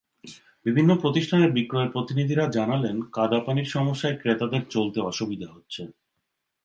বিভিন্ন প্রতিষ্ঠানের বিক্রয় প্রতিনিধিরা জানালেন, কাদাপানির সমস্যায় ক্রেতাদের চলতে অসুবিধা হচ্ছে।